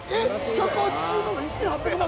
１８０万が１８００万